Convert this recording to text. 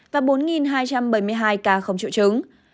và bốn hai trăm bảy mươi hai ca không triệu chứng